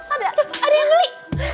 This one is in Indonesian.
itu itu ada ada yang beli